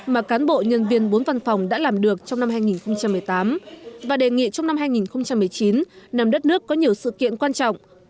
mà cán bộ nhân viên bốn văn phòng đã làm được trong năm hai nghìn một mươi tám và đề nghị trong năm hai nghìn một mươi chín năm đất nước có nhiều sự kiện quan trọng